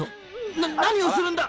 「な何をするんだ！」